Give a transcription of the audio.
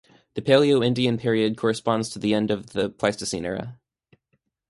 The Paleo-Indian period corresponds to the end of the Pleistocene Era.